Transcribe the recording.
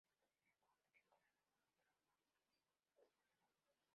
La primera con dicha cadena fue el drama "Alguien te mira".